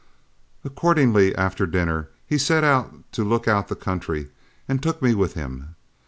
Accordingly after dinner he set out to look out the country, and took me with him.